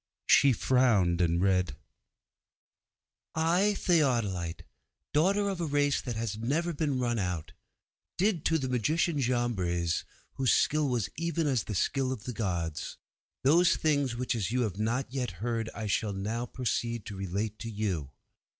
She frowned and read '_I, Theodolitê, daughter of a race that has never been run out, did to the magician Jambres, whose skill was even as the skill of the gods, those things which as you have not yet heard I shall now proceed to relate to you.